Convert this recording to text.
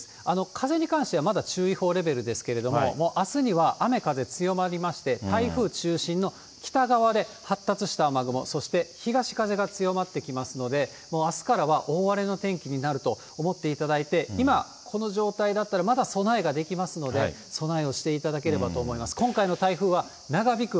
風に関しては、まだ注意報レベルですけれども、あすには雨、風強まりまして、台風中心の北側で、発達した雨雲、そして東風が強まってきますので、もうあすからは大荒れの天気になると思っていただいて、今、この状態だったら、まだ備えができますので、備えをしていただければと思います。